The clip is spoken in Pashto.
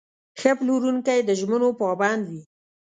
ښه پلورونکی د ژمنو پابند وي.